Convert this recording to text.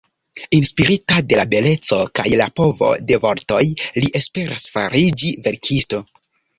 Inspirita de la beleco kaj la povo de vortoj, li esperas fariĝi verkisto.